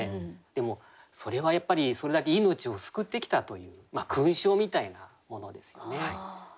でもそれはやっぱりそれだけ命を救ってきたという勲章みたいなものですよね。